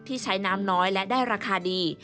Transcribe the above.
ที่ใช้น้ำน้อยและได้ราคาดี